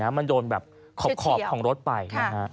มันโดนขอบของรดไป